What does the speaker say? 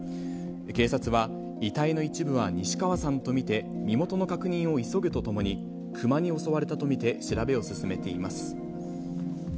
警察は、遺体の一部は西川さんと見て、身元の確認を急ぐとともに、熊に襲われたと見て調べを進めています。